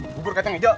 buur kacang hijau